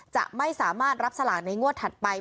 จะไม่สามารถรับสลากในงวดถัดไป